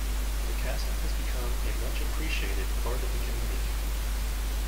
The castle has become a much-appreciated part of the community.